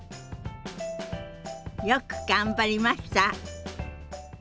よく頑張りました。